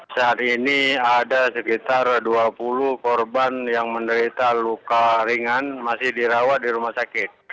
saat ini ada sekitar dua puluh korban yang menderita luka ringan masih dirawat di rumah sakit